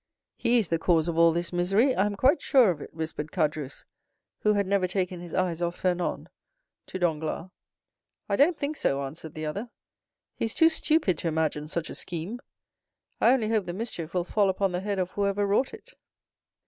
"He is the cause of all this misery—I am quite sure of it," whispered Caderousse, who had never taken his eyes off Fernand, to Danglars. "I don't think so," answered the other; "he's too stupid to imagine such a scheme. I only hope the mischief will fall upon the head of whoever wrought it."